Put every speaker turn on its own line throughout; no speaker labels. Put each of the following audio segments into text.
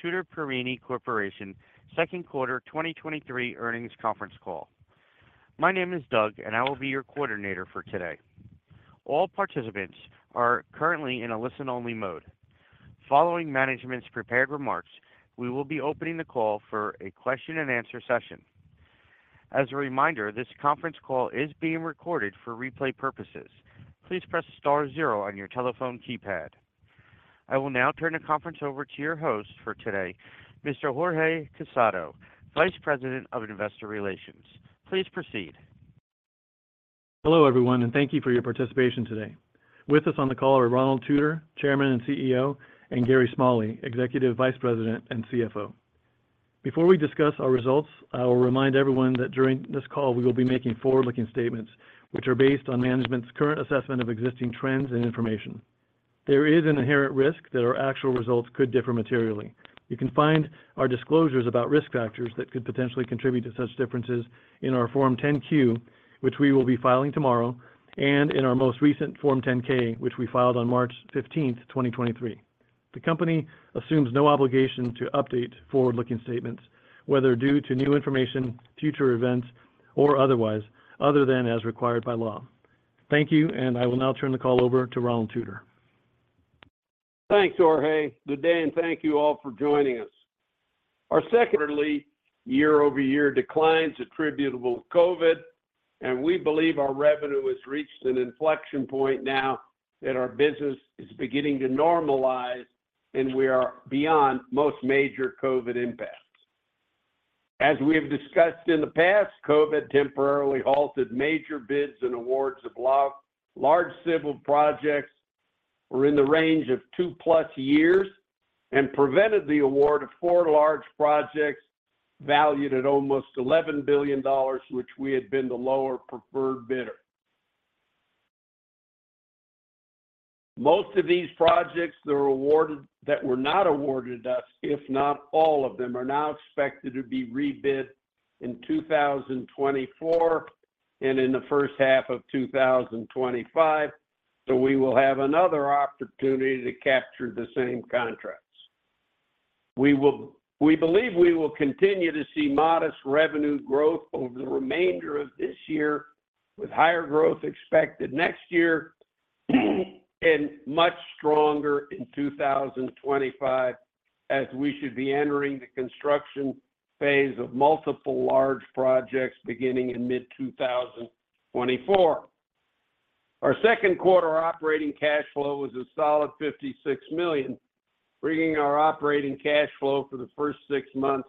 Tutor Perini Corporation second quarter 2023 earnings conference call. My name is Doug, and I will be your coordinator for today. All participants are currently in a listen-only mode. Following management's prepared remarks, we will be opening the call for a question-and-answer session. As a reminder, this conference call is being recorded for replay purposes. Please press star zero on your telephone keypad. I will now turn the conference over to your host for today, Mr. Jorge Casado, Vice President of Investor Relations. Please proceed.
Hello, everyone, and thank you for your participation today. With us on the call are Ronald Tutor, Chairman and CEO, and Gary Smalley, Executive Vice President and CFO. Before we discuss our results, I will remind everyone that during this call, we will be making forward-looking statements, which are based on management's current assessment of existing trends and information. There is an inherent risk that our actual results could differ materially. You can find our disclosures about risk factors that could potentially contribute to such differences in our Form 10-Q, which we will be filing tomorrow, and in our most recent Form 10-K, which we filed on March 15th, 2023. The company assumes no obligation to update forward-looking statements, whether due to new information, future events, or otherwise, other than as required by law. Thank you, and I will now turn the call over to Ronald Tutor.
Thanks, Jorge. Good day. Thank you all for joining us. Our secondly, year-over-year decline is attributable to COVID, and we believe our revenue has reached an inflection point now that our business is beginning to normalize, and we are beyond most major COVID impacts. As we have discussed in the past, COVID temporarily halted major bids and awards of backlog. Large civil projects were in the range of 2+ years and prevented the award of four large projects valued at almost $11 billion, which we had been the lower preferred bidder. Most of these projects that were not awarded us, if not all of them, are now expected to be rebid in 2024 and in the first half of 2025, so we will have another opportunity to capture the same contracts. We will, we believe we will continue to see modest revenue growth over the remainder of this year, with higher growth expected next year, and much stronger in 2025, as we should be entering the construction phase of multiple large projects beginning in mid-2024. Our second quarter operating cash flow was a solid $56 million, bringing our operating cash flow for the first six months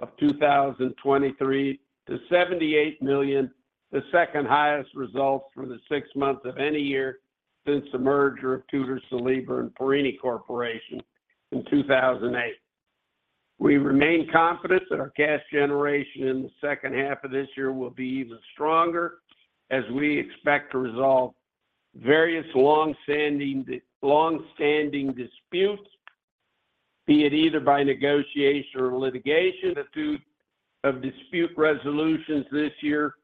of 2023 to $78 million, the second highest results for the 6 months of any year since the merger of Tutor-Saliba and Perini Corporation in 2008. We remain confident that our cash generation in the second half of this year will be even stronger, as we expect to resolve various long-standing disputes, be it either by negotiation or litigation. Of dispute resolutions this year,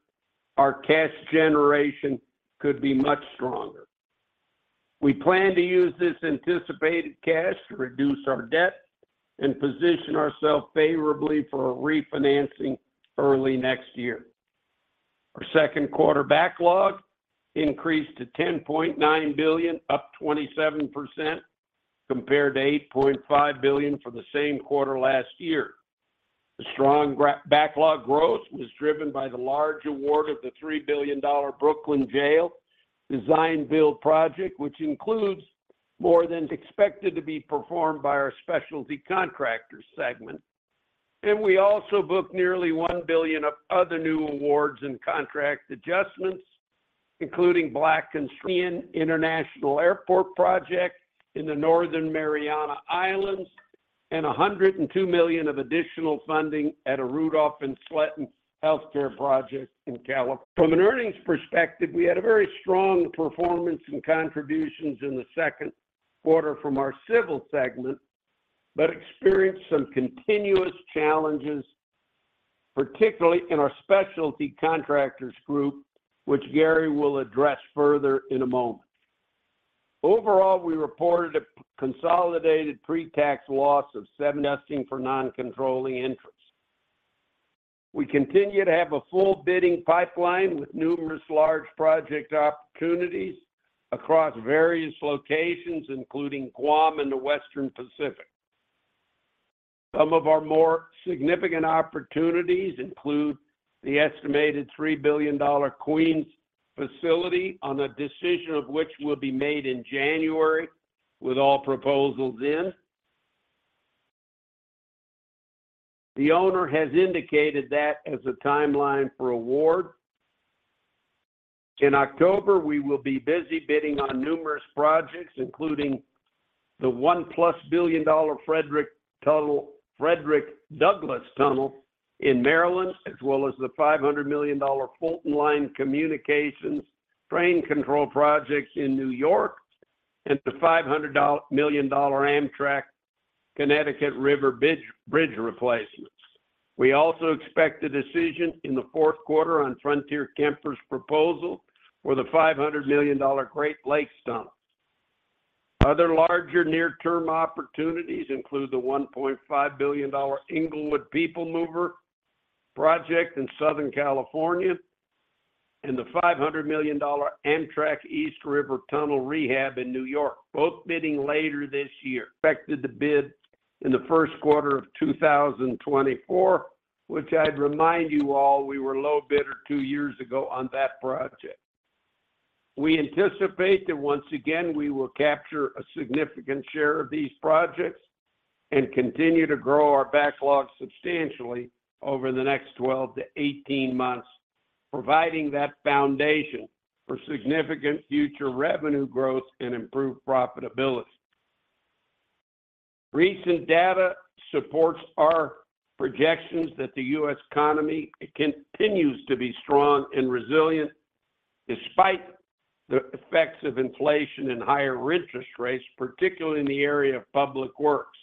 our cash generation could be much stronger. We plan to use this anticipated cash to reduce our debt and position ourselves favorably for a refinancing early next year. Our second quarter backlog increased to $10.9 billion, up 27%, compared to $8.5 billion for the same quarter last year. The strong backlog growth was driven by the large award of the $3 billion Brooklyn Jail design-build project, which includes more than expected to be performed by our specialty contractor segment. We also booked nearly $1 billion of other new awards and contract adjustments, including Tinian International Airport project in the Northern Mariana Islands, and $102 million of additional funding at a Rudolph and Sletten healthcare project in California. From an earnings perspective, we had a very strong performance and contributions in the second quarter from our civil segment, but experienced some continuous challenges, particularly in our specialty contractors group, which Gary will address further in a moment. Overall, we reported a consolidated pre-tax loss of seven testing for non-controlling interests. We continue to have a full bidding pipeline with numerous large project opportunities across various locations, including Guam and the Western Pacific. Some of our more significant opportunities include the estimated $3 billion Queens facility, on a decision of which will be made in January with all proposals in. The owner has indicated that as a timeline for award. In October, we will be busy bidding on numerous projects, including the 1+ billion dollar Frederick Tunnel, Frederick Douglass Tunnel in Maryland, as well as the $500 million Fulton Line Communications train control projects in New York and the $500 million Amtrak Connecticut River Bridge, Bridge Replacement. We also expect a decision in the fourth quarter on Frontier-Kemper's proposal for the $500 million Great Lakes Tunnel. Other larger near-term opportunities include the $1.5 billion Inglewood People Mover project in Southern California, and the $500 million Amtrak East River Tunnel rehab in New York. Both bidding later this year. Expected to bid in the first quarter of 2024, which I'd remind you all, we were low bidder two years ago on that project. We anticipate that once again, we will capture a significant share of these projects and continue to grow our backlog substantially over the next 12 to 18 months, providing that foundation for significant future revenue growth and improved profitability. Recent data supports our projections that the U.S. economy continues to be strong and resilient, despite the effects of inflation and higher interest rates, particularly in the area of public works,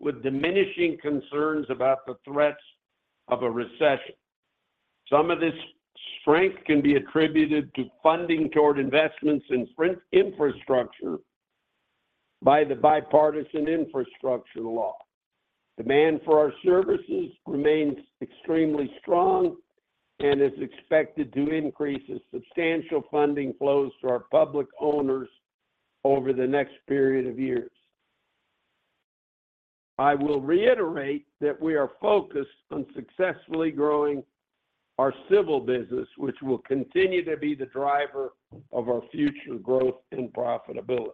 with diminishing concerns about the threats of a recession. Some of this strength can be attributed to funding toward investments in infrastructure by the Bipartisan Infrastructure Law. Demand for our services remains extremely strong and is expected to increase as substantial funding flows to our public owners over the next period of years. I will reiterate that we are focused on successfully growing our civil business, which will continue to be the driver of our future growth and profitability.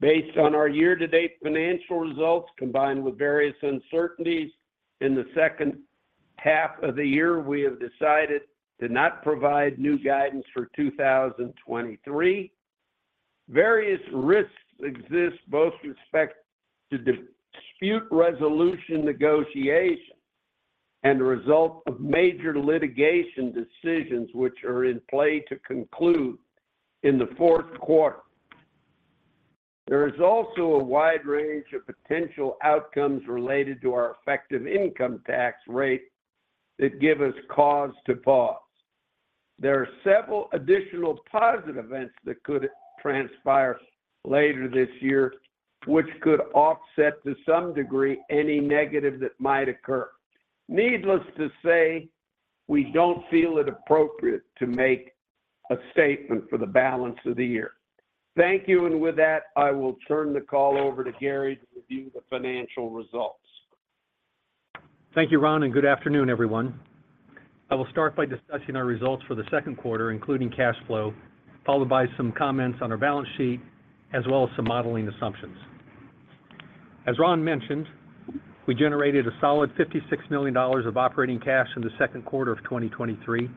Based on our year-to-date financial results, combined with various uncertainties in the second half of the year, we have decided to not provide new guidance for 2023. Various risks exist, both with respect to dispute resolution negotiations and the result of major litigation decisions, which are in play to conclude in the fourth quarter. There is also a wide range of potential outcomes related to our effective income tax rate that give us cause to pause. There are several additional positive events that could transpire later this year, which could offset, to some degree, any negative that might occur. Needless to say, we don't feel it appropriate to make a statement for the balance of the year. Thank you, with that, I will turn the call over to Gary to review the financial results.
Thank you, Ron, and good afternoon, everyone. I will start by discussing our results for the second quarter, including cash flow, followed by some comments on our balance sheet, as well as some modeling assumptions. As Ron mentioned, we generated a solid $56 million of operating cash in the second quarter of 2023,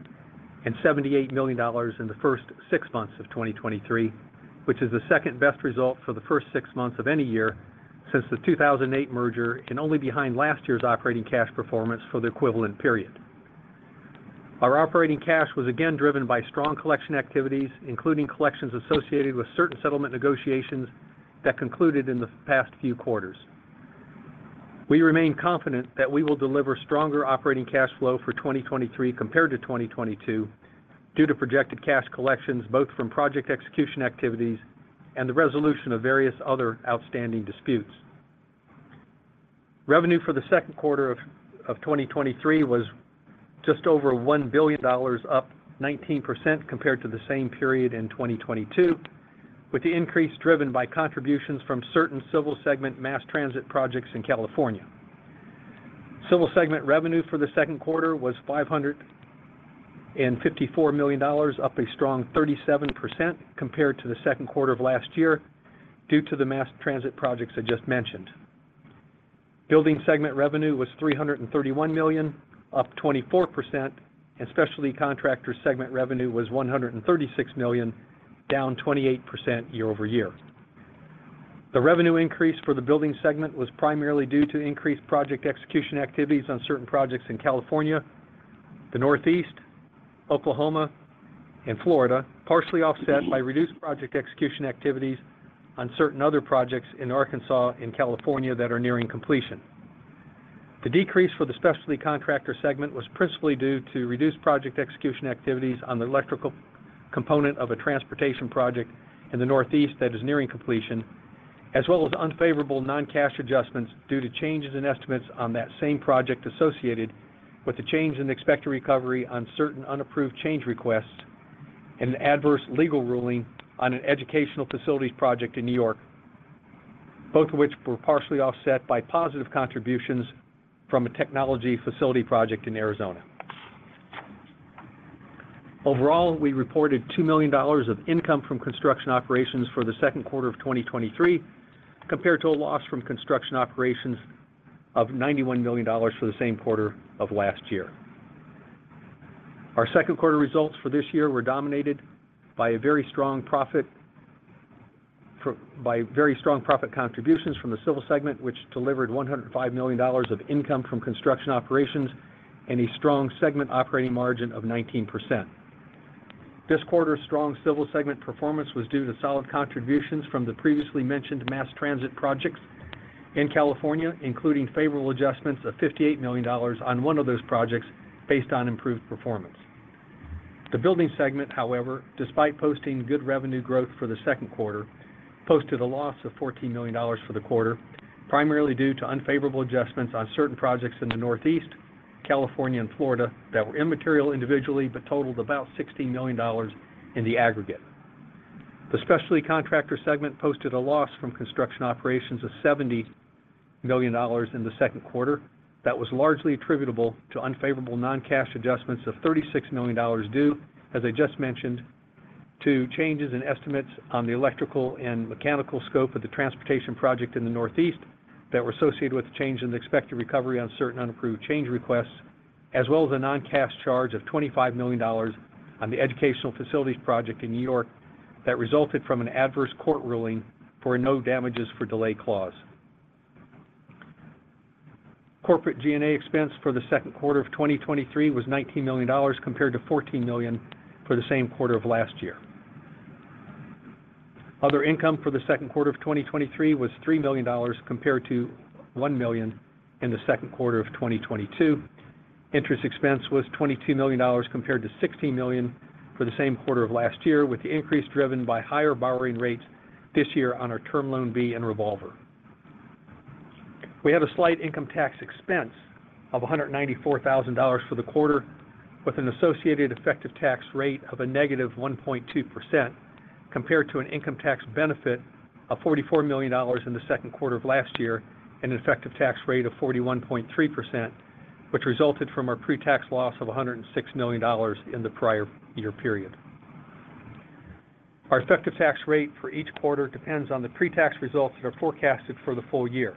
and $78 million in the first six months of 2023, which is the second-best result for the first six months of any year since the 2008 merger, and only behind last year's operating cash performance for the equivalent period. Our operating cash was again driven by strong collection activities, including collections associated with certain settlement negotiations that concluded in the past few quarters. We remain confident that we will deliver stronger operating cash flow for 2023 compared to 2022, due to projected cash collections, both from project execution activities and the resolution of various other outstanding disputes. Revenue for the second quarter of 2023 was just over $1 billion, up 19% compared to the same period in 2022, with the increase driven by contributions from certain civil segment mass transit projects in California. Civil segment revenue for the second quarter was $554 million, up a strong 37% compared to the second quarter of last year, due to the mass transit projects I just mentioned. Building segment revenue was $331 million, up 24%, and specialty contractor segment revenue was $136 million, down 28% year-over-year. The revenue increase for the building segment was primarily due to increased project execution activities on certain projects in California, the Northeast, Oklahoma, and Florida, partially offset by reduced project execution activities on certain other projects in Arkansas and California that are nearing completion. The decrease for the specialty contractor segment was principally due to reduced project execution activities on the electrical component of a transportation project in the Northeast that is nearing completion, as well as unfavorable non-cash adjustments due to changes in estimates on that same project associated with the change in the expected recovery on certain unapproved change requests, and an adverse legal ruling on an educational facilities project in New York, both of which were partially offset by positive contributions from a technology facility project in Arizona. Overall, we reported $2 million of income from construction operations for the second quarter of 2023, compared to a loss from construction operations of $91 million for the same quarter of last year. Our second quarter results for this year were dominated by very strong profit contributions from the Civil segment, which delivered $105 million of income from construction operations and a strong segment operating margin of 19%. This quarter's strong Civil segment performance was due to solid contributions from the previously mentioned mass transit projects in California, including favorable adjustments of $58 million on one of those projects based on improved performance. The Building segment, however, despite posting good revenue growth for the second quarter, posted a loss of $14 million for the quarter, primarily due to unfavorable adjustments on certain projects in the Northeast, California, and Florida that were immaterial individually, but totaled about $16 million in the aggregate. The Specialty Contractor segment posted a loss from construction operations of $70 million in the second quarter. That was largely attributable to unfavorable non-cash adjustments of $36 million due, as I just mentioned, to changes in estimates on the electrical and mechanical scope of the transportation project in the Northeast that were associated with the change in the expected recovery on certain unapproved change requests, as well as a non-cash charge of $25 million on the educational facilities project in New York that resulted from an adverse court ruling for a no-damages-for-delay clause. Corporate G&A expense for the second quarter of 2023 was $19 million, compared to $14 million for the same quarter of last year. Other income for the second quarter of 2023 was $3 million, compared to $1 million in the second quarter of 2022. Interest expense was $22 million, compared to $16 million for the same quarter of last year, with the increase driven by higher borrowing rates this year on our Term Loan B and Revolver. We had a slight income tax expense of $194,000 for the quarter, with an associated effective tax rate of a negative 1.2%, compared to an income tax benefit of $44 million in the second quarter of last year, and an effective tax rate of 41.3%, which resulted from our pre-tax loss of $106 million in the prior year period. Our effective tax rate for each quarter depends on the pre-tax results that are forecasted for the full year.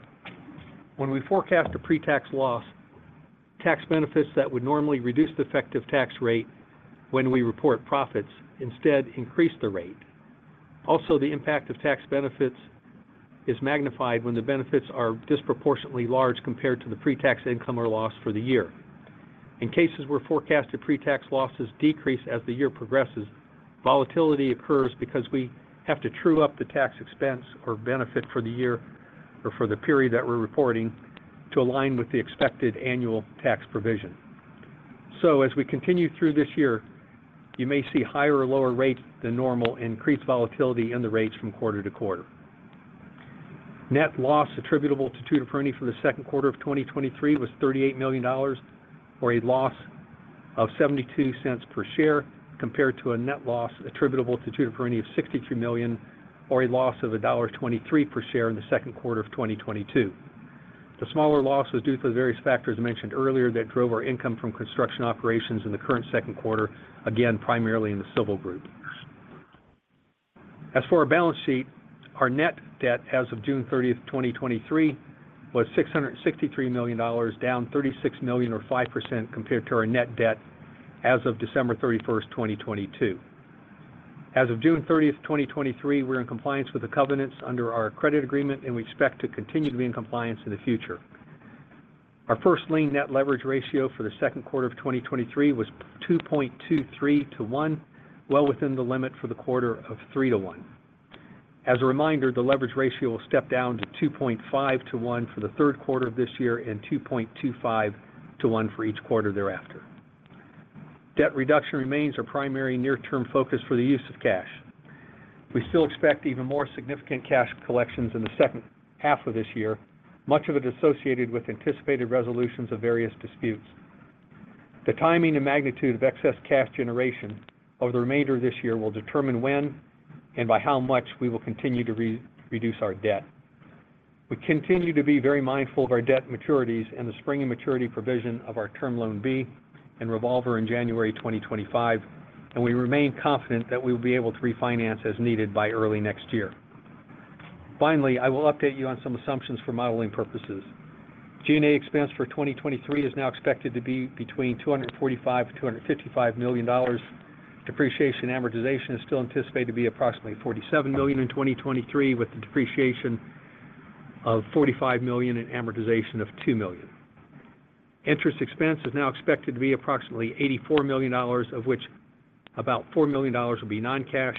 When we forecast a pre-tax loss, tax benefits that would normally reduce the effective tax rate when we report profits, instead increase the rate. Also, the impact of tax benefits is magnified when the benefits are disproportionately large compared to the pre-tax income or loss for the year. In cases where forecasted pre-tax losses decrease as the year progresses, volatility occurs because we have to true up the tax expense or benefit for the year, or for the period that we're reporting, to align with the expected annual tax provision. As we continue through this year, you may see higher or lower rates than normal, increased volatility in the rates from quarter to quarter. Net loss attributable to Tutor Perini for the second quarter of 2023 was $38 million, or a loss of $0.72 per share, compared to a net loss attributable to Tutor Perini of $63 million, or a loss of $1.23 per share in the second quarter of 2022. The smaller loss was due to the various factors mentioned earlier that drove our income from construction operations in the current second quarter, again, primarily in the Civil group. As for our balance sheet, our net debt as of June 30th, 2023, was $663 million, down $36 million or 5% compared to our net debt as of December 31st, 2022. As of June 30th, 2023, we're in compliance with the covenants under our credit agreement. We expect to continue to be in compliance in the future. Our first lien net leverage ratio for the second quarter of 2023 was 2.23 to 1, well within the limit for the quarter of 3 to 1. As a reminder, the leverage ratio will step down to 2.5 to 1 for the third quarter of this year and 2.25 to 1 for each quarter thereafter. Debt reduction remains our primary near-term focus for the use of cash. We still expect even more significant cash collections in the second half of this year, much of it associated with anticipated resolutions of various disputes. The timing and magnitude of excess cash generation over the remainder of this year will determine when and by how much we will continue to re- reduce our debt. We continue to be very mindful of our debt maturities and the springing maturity provision of our Term Loan B and Revolver in January 2025. We remain confident that we will be able to refinance as needed by early next year. Finally, I will update you on some assumptions for modeling purposes. G&A expense for 2023 is now expected to be between $245 million-$255 million. Depreciation and amortization is still anticipated to be approximately $47 million in 2023, with the depreciation of $45 million and amortization of $2 million. Interest expense is now expected to be approximately $84 million, of which about $4 million will be non-cash.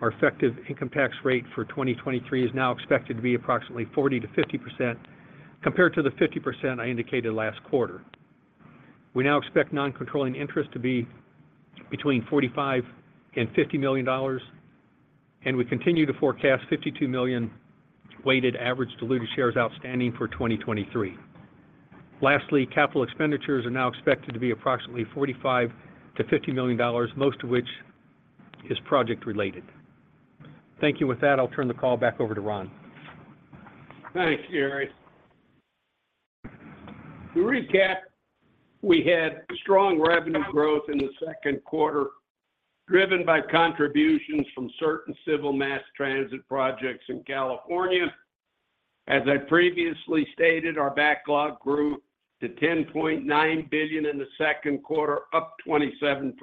Our effective income tax rate for 2023 is now expected to be approximately 40%-50%, compared to the 50% I indicated last quarter. We now expect non-controlling interests to be between $45 million and $50 million, and we continue to forecast 52 million weighted average diluted shares outstanding for 2023. Lastly, capital expenditures are now expected to be approximately $45 million-$50 million, most of which is project-related. Thank you. With that, I'll turn the call back over to Ron.
Thanks, Gary. To recap, we had strong revenue growth in the second quarter, driven by contributions from certain civil mass transit projects in California. As I previously stated, our backlog grew to $10.9 billion in the second quarter, up 27%.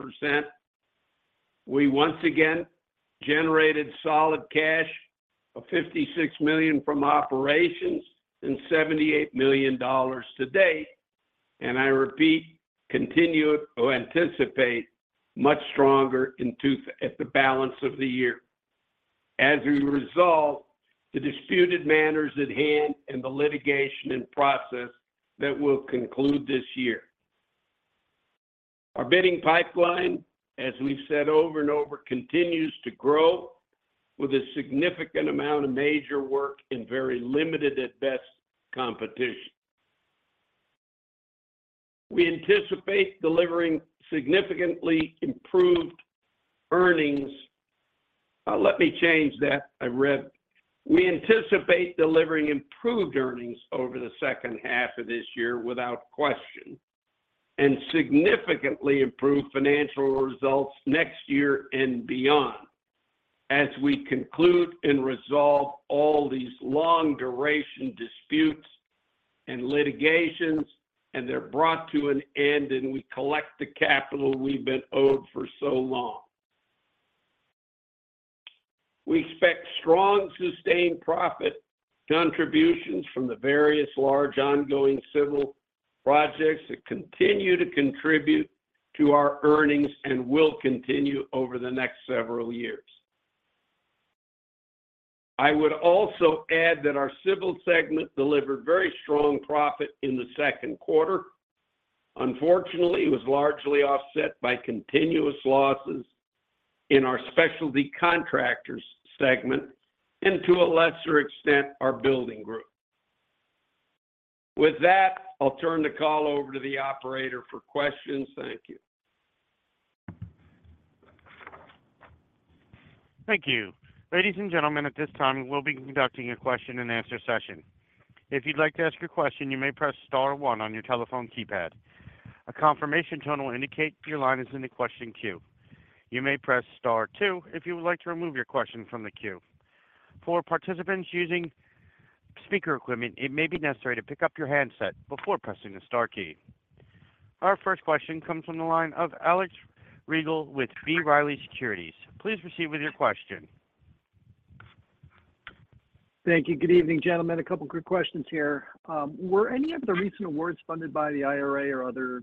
We once again generated solid cash of $56 million from operations and $78 million to date. I repeat, continue or anticipate much stronger at the balance of the year. As we resolve the disputed matters at hand and the litigation and process that will conclude this year. Our bidding pipeline, as we've said over and over, continues to grow with a significant amount of major work and very limited at best, competition. We anticipate delivering significantly improved earnings. Let me change that. I read... We anticipate delivering improved earnings over the second half of this year without question, and significantly improved financial results next year and beyond, as we conclude and resolve all these long duration disputes and litigations, and they're brought to an end, and we collect the capital we've been owed for so long. We expect strong, sustained profit contributions from the various large ongoing civil projects that continue to contribute to our earnings, and will continue over the next several years. I would also add that our civil segment delivered very strong profit in the second quarter. Unfortunately, it was largely offset by continuous losses in our specialty contractors segment and to a lesser extent, our building group. With that, I'll turn the call over to the operator for questions. Thank you.
Thank you. Ladies and gentlemen, at this time, we'll be conducting a question-and-answer session. If you'd like to ask a question, you may press star one on your telephone keypad. A confirmation tone will indicate your line is in the question queue. You may press star two if you would like to remove your question from the queue. For participants using speaker equipment, it may be necessary to pick up your handset before pressing the star key. Our first question comes from the line of Alex Rygiel with B. Riley Securities. Please proceed with your question.
Thank you. Good evening, gentlemen. A couple quick questions here. Were any of the recent awards funded by the IRA or other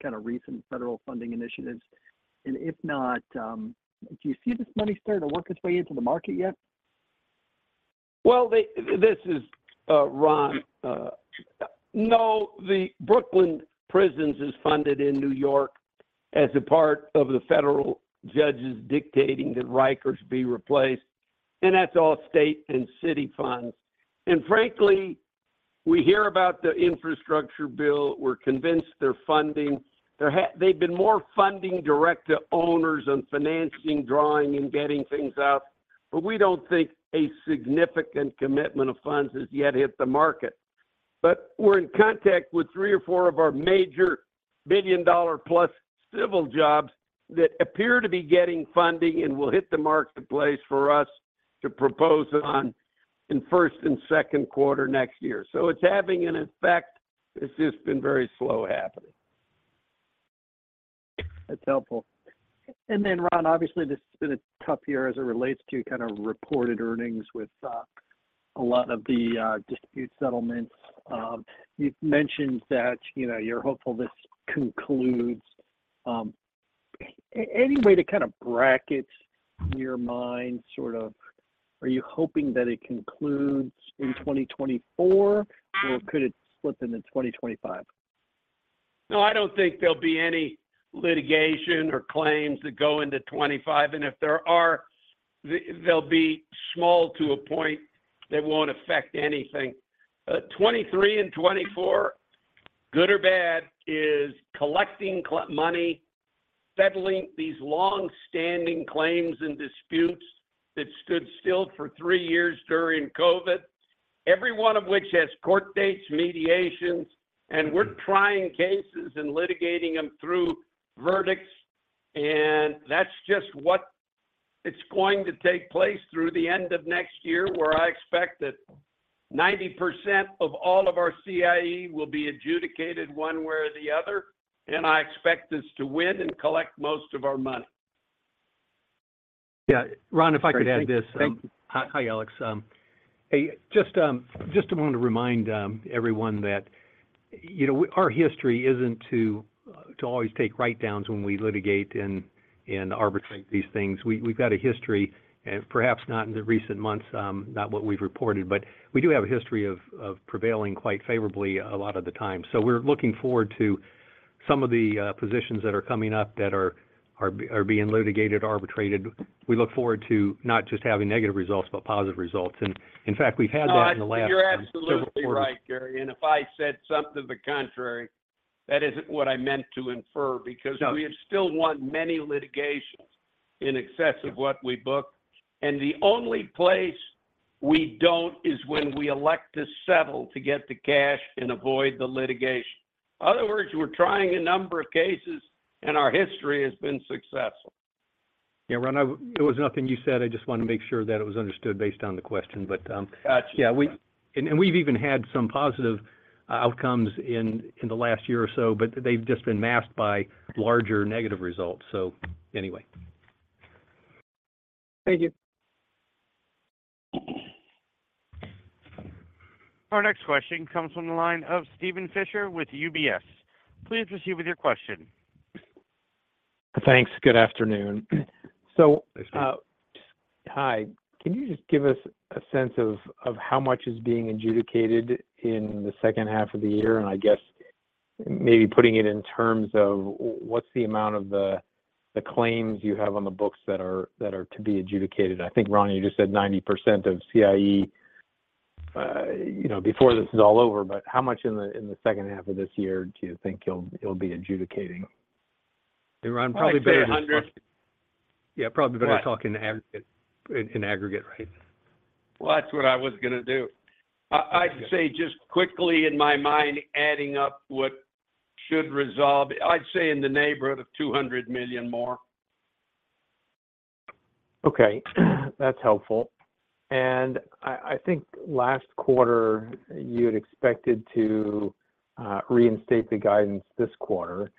kind of recent federal funding initiatives? If not, do you see this money starting to work its way into the market yet?
Well, this is Ron. No, the Brooklyn Prisons is funded in New York as a part of the federal judges dictating that Rikers be replaced, and that's all state and city funds. Frankly, we hear about the infrastructure bill. We're convinced they're funding. They've been more funding direct to owners on financing, drawing, and getting things out, but we don't think a significant commitment of funds has yet hit the market. We're in contact with three or four of our major billion-dollar+ civil jobs that appear to be getting funding and will hit the marketplace for us to propose on in first and second quarter next year. It's having an effect. It's just been very slow happening.
That's helpful. Then, Ron, obviously, this has been a tough year as it relates to kind of reported earnings with a lot of the dispute settlements. You've mentioned that, you know, you're hopeful this concludes. Any way to kind of bracket your mind, sort of... Are you hoping that it concludes in 2024, or could it slip into 2025?
No, I don't think there'll be any litigation or claims that go into 2025. If there are, they'll be small to a point that won't affect anything. 2023 and 2024, good or bad, is collecting money, settling these long-standing claims and disputes that stood still for three years during COVID. Every one of which has court dates, mediations, and we're trying cases and litigating them through verdicts. That's just what it's going to take place through the end of next year, where I expect that 90% of all of our CIE will be adjudicated one way or the other. I expect us to win and collect most of our money.
Yeah, Ron, if I could add this.
Thank you.
Hi, Alex. Hey, just to want to remind everyone that, you know, our history isn't to always take write-downs when we litigate and arbitrate these things. We, we've got a history, and perhaps not in the recent months, not what we've reported, but we do have a history of prevailing quite favorably a lot of the time. We're looking forward to some of the positions that are coming up that are being litigated, arbitrated. We look forward to not just having negative results, but positive results. In fact, we've had that in the last-
You're absolutely right, Gary.
Several quarters.
If I said something to the contrary, that isn't what I meant to infer.
No.
because we have still won many litigations in excess of what we booked. The only place we don't is when we elect to settle to get the cash and avoid the litigation. Other words, we're trying a number of cases, and our history has been successful.
Yeah, Ron, it was nothing you said. I just want to make sure that it was understood based on the question, but.
Got you.
Yeah, and we've even had some positive outcomes in, in the last year or so, but they've just been masked by larger negative results. anyway.
Thank you.
Our next question comes from the line of Steven Fisher with UBS. Please proceed with your question.
Thanks. Good afternoon.
Hey, Steve.
Hi. Can you just give us a sense of how much is being adjudicated in the second half of the year? I guess maybe putting it in terms of what's the amount of the claims you have on the books that are to be adjudicated? I think, Ron, you just said 90% of CIE, you know, before this is all over, but how much in the second half of this year do you think you'll be adjudicating?
Ron, probably better-
Say 100.
Yeah, probably better-
Right...
talk in aggregate, right?
Well, that's what I was gonna do. I'd say just quickly in my mind, adding up what should resolve, I'd say in the neighborhood of $200 million more.
Okay, that's helpful. I, I think last quarter, you had expected to reinstate the guidance this quarter.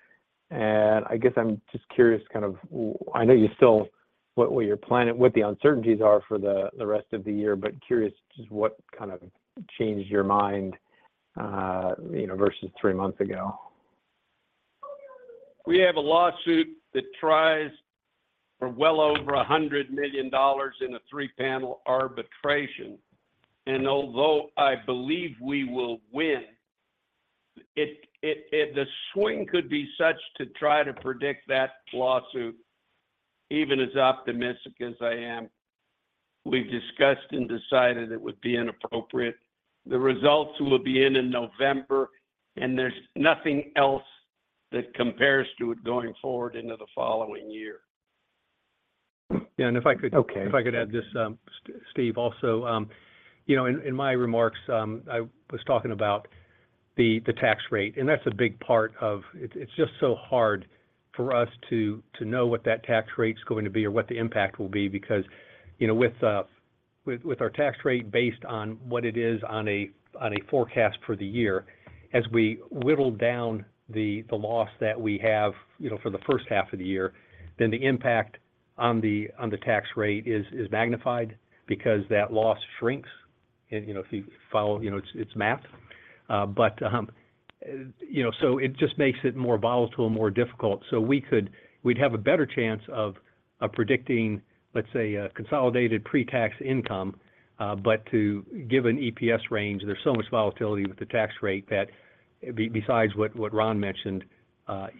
I guess I'm just curious, kind of, what the uncertainties are for the rest of the year, but curious, just what kind of changed your mind, you know, versus three months ago?
We have a lawsuit that tries for well over $100 million in a three-panel arbitration. Although I believe we will win, the swing could be such to try to predict that lawsuit, even as optimistic as I am, we've discussed and decided it would be inappropriate. The results will be in November. There's nothing else that compares to it going forward into the following year.
Yeah, if I could-
Okay.
If I could add this, Steven, also, you know, in, in my remarks, I was talking about the, the tax rate, and that's a big part of. It, it's just so hard for us to, to know what that tax rate is going to be or what the impact will be, because, you know, with, with, with our tax rate based on what it is on a, on a forecast for the year, as we whittle down the, the loss that we have, you know, for the first half of the year, then the impact on the, on the tax rate is, is magnified because that loss shrinks. You know, if you follow, you know, it's, it's math. You know, so it just makes it more volatile, more difficult. we'd have a better chance of, of predicting, let's say, a consolidated pre-tax income, but to give an EPS range, there's so much volatility with the tax rate that besides what Ron mentioned,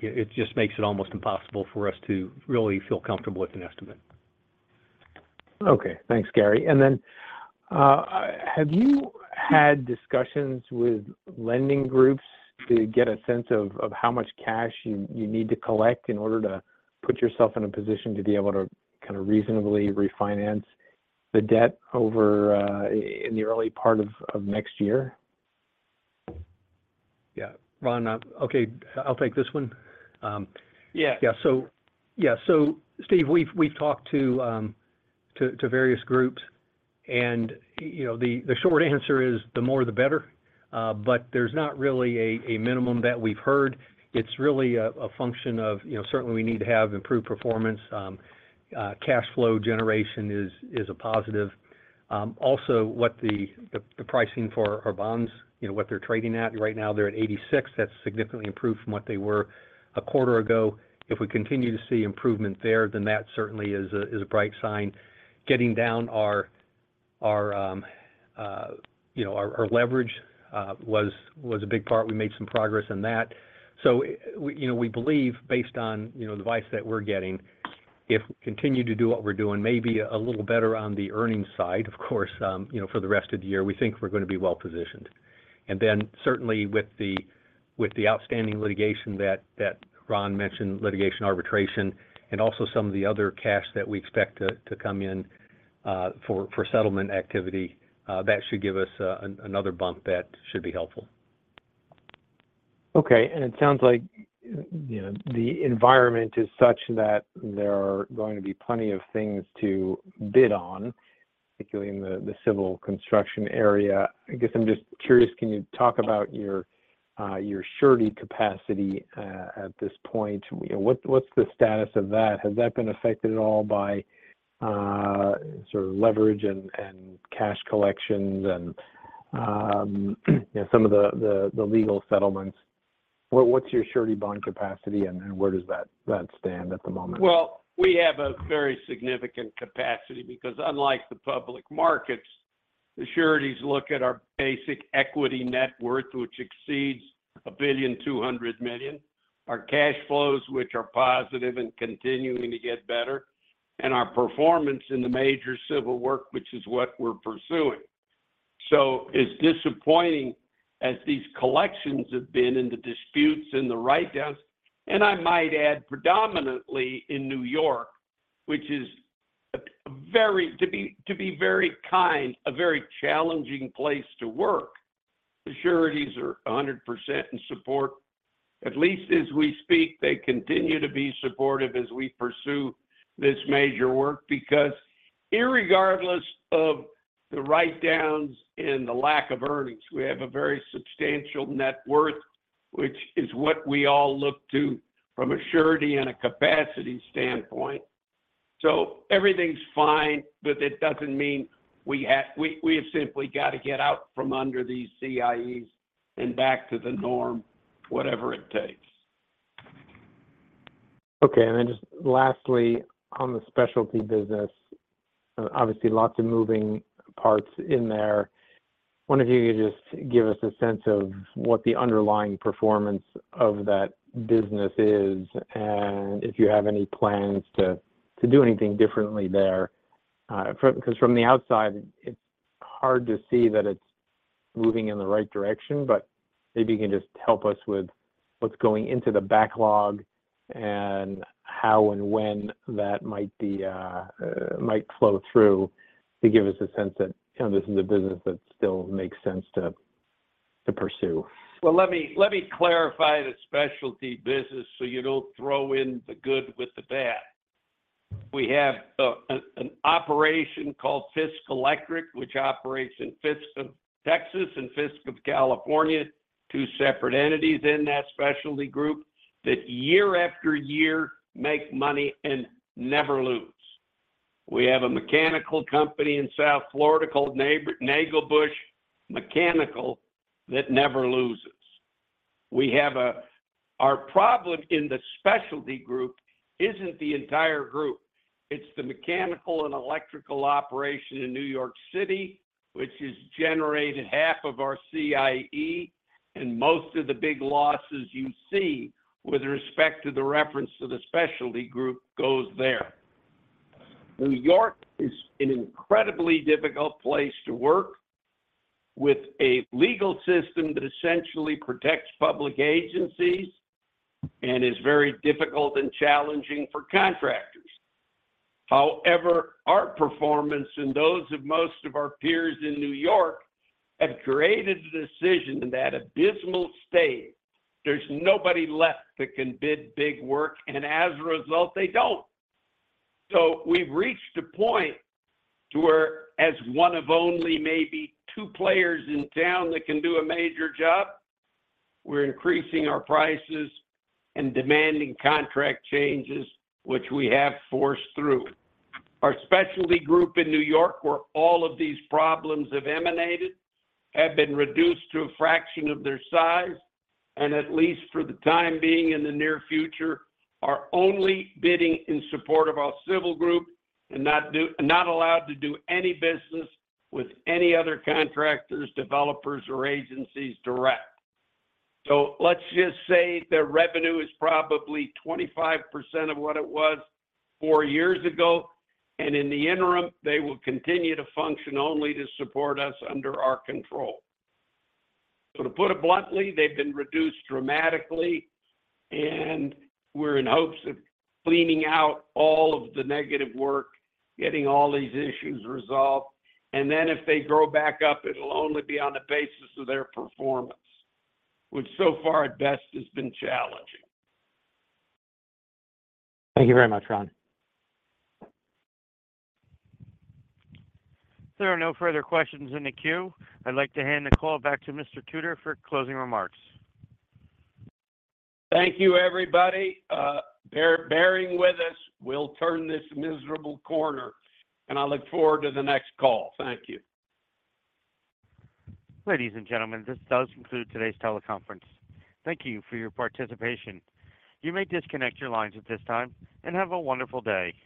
it just makes it almost impossible for us to really feel comfortable with an estimate.
Okay. Thanks, Gary. Then, have you had discussions with lending groups to get a sense of how much cash you need to collect in order to put yourself in a position to be able to kind of reasonably refinance the debt over in the early part of next year?
Yeah. Ron, okay, I'll take this one.
Yeah.
Yeah, so yeah. Steve, we've, we've talked to, to various groups and, you know, the short answer is the more, the better, but there's not really a minimum that we've heard. It's really a function of, you know, certainly we need to have improved performance. Cash flow generation is a positive. Also, what the pricing for our bonds, you know, what they're trading at. Right now, they're at 86. That's significantly improved from what they were a quarter ago. If we continue to see improvement there, then that certainly is a bright sign. Getting down our, our, you know, our leverage, was a big part. We made some progress in that. We, you know, we believe based on, you know, the advice that we're getting, if we continue to do what we're doing, maybe a little better on the earnings side, of course, you know, for the rest of the year, we think we're going to be well-positioned. Then certainly with the, with the outstanding litigation that, that Ron mentioned, litigation, arbitration, and also some of the other cash that we expect to, to come in, for, for settlement activity, that should give us, another bump that should be helpful.
Okay. It sounds like, you know, the environment is such that there are going to be plenty of things to bid on, particularly in the, the civil construction area. I guess I'm just curious, can you talk about your surety capacity at this point? You know, what's, what's the status of that? Has that been affected at all by sort of leverage and, and cash collections and, you know, some of the, the, the legal settlements? What, what's your surety bond capacity, and, and where does that, that stand at the moment?
We have a very significant capacity because unlike the public markets, the sureties look at our basic equity net worth, which exceeds $1.2 billion, our cash flows, which are positive and continuing to get better, and our performance in the major civil work, which is what we're pursuing. As disappointing as these collections have been in the disputes and the write-downs, and I might add predominantly in New York, which is a very, to be very kind, a very challenging place to work, the sureties are 100% in support. At least as we speak, they continue to be supportive as we pursue this major work, because irregardless of the write-downs and the lack of earnings, we have a very substantial net worth, which is what we all look to from a surety and a capacity standpoint. everything's fine, but it doesn't mean we have simply got to get out from under these CIEs and back to the norm, whatever it takes.
Okay, and then just lastly, on the specialty business, obviously, lots of moving parts in there. I wonder if you could just give us a sense of what the underlying performance of that business is, and if you have any plans to, to do anything differently there? From, 'cause from the outside, it's hard to see that it's moving in the right direction, but maybe you can just help us with what's going into the backlog and how and when that might be, might flow through to give us a sense that, you know, this is a business that still makes sense to, to pursue.
Let me, let me clarify the specialty business so you don't throw in the good with the bad. We have an operation called Fisk Electric, which operates in Fisk of Texas and Fisk of California, two separate entities in that specialty group, that year after year, make money and never lose. We have a mechanical company in South Florida called Nagelbush Mechanical that never loses. Our problem in the specialty group isn't the entire group. It's the mechanical and electrical operation in New York City, which has generated half of our CIE, and most of the big losses you see with respect to the reference to the specialty group, goes there. New York is an incredibly difficult place to work, with a legal system that essentially protects public agencies and is very difficult and challenging for contractors. However, our performance and those of most of our peers in New York have created a decision in that abysmal state. There's nobody left that can bid big work, and as a result, they don't. We've reached a point to where as one of only maybe two players in town that can do a major job, we're increasing our prices and demanding contract changes, which we have forced through. Our specialty group in New York, where all of these problems have emanated, have been reduced to a fraction of their size, and at least for the time being in the near future, are only bidding in support of our civil group and not allowed to do any business with any other contractors, developers, or agencies direct. Let's just say their revenue is probably 25% of what it was four years ago, and in the interim, they will continue to function only to support us under our control. To put it bluntly, they've been reduced dramatically, and we're in hopes of cleaning out all of the negative work, getting all these issues resolved, and then if they grow back up, it'll only be on the basis of their performance, which so far at best has been challenging.
Thank you very much, Ron.
There are no further questions in the queue. I'd like to hand the call back to Mr. Tutor for closing remarks.
Thank you, everybody. bearing with us, we'll turn this miserable corner. I look forward to the next call. Thank you.
Ladies and gentlemen, this does conclude today's teleconference. Thank you for your participation. You may disconnect your lines at this time, and have a wonderful day.